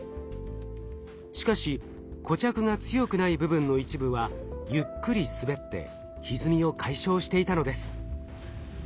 しかし固着が強くない部分の一部はゆっくりすべってひずみを解消していたのです。